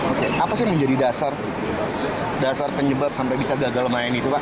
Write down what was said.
oke apa sih yang menjadi dasar penyebab sampai bisa gagal main itu pak